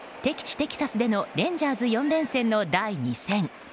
テキサスでのレンジャーズ４連戦の第２戦。